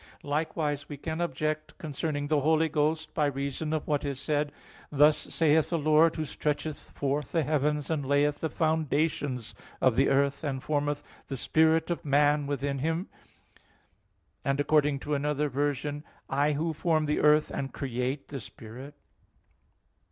Likewise we can object concerning the Holy Ghost, by reason of what is said (Zech. 12:1): "Thus saith the Lord Who stretcheth forth the heavens, and layeth the foundations of the earth, and formeth the spirit of man within him"; and (Amos 4:13) according to another version [*The Septuagint]: "I Who form the earth, and create the spirit."